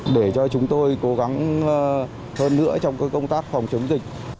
để cho chúng tôi cố gắng hơn nữa trong công tác phòng chống dịch